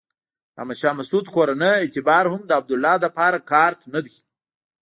د احمد شاه مسعود کورنۍ اعتبار هم د عبدالله لپاره کارت نه دی.